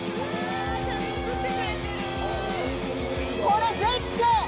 これ絶景！